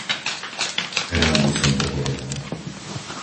Rád by som to povedal.